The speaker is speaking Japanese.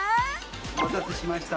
お待たせしました。